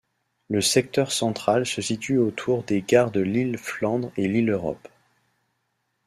Le secteur central se situe autour des gares de Lille-Flandres et Lille Europe.